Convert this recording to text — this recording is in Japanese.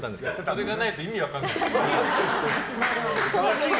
あれがないと意味分かんないよね。